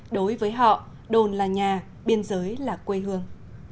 đối với họ đồn là nhà biên giới là quê hương